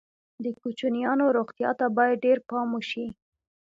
د کوچنیانو روغتیا ته باید ډېر پام وشي.